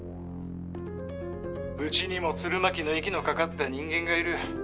うちにも鶴巻の息のかかった人間がいる。